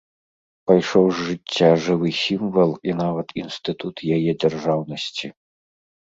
Пайшоў з жыцця жывы сімвал і нават інстытут яе дзяржаўнасці.